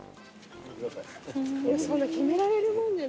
・そんな決められるもんじゃない。